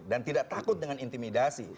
dan tidak takut dengan intimidasi